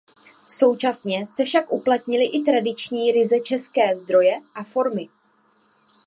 Současně se však uplatnily i tradiční ryze české zdroje a formy.